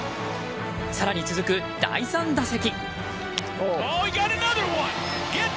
更に続く第３打席。